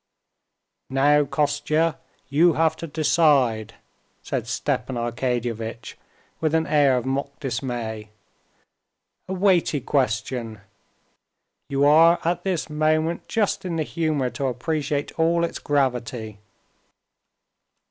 "Now, Kostya, you have to decide," said Stepan Arkadyevitch with an air of mock dismay, "a weighty question. You are at this moment just in the humor to appreciate all its gravity.